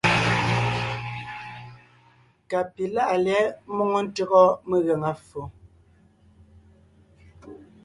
Ka pi láʼa lyɛ̌ʼ ḿmoŋo ntÿɔgɔ megaŋa ffo.